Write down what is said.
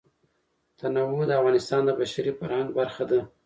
تنوع د افغانستان د بشري فرهنګ برخه ده.